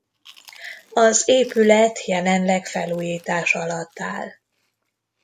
Az épület jelenleg felújítás alatt áll.